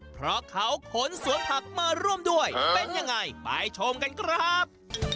เพราะเขาขนสวนผักมาร่วมด้วยเป็นยังไงไปชมกันครับ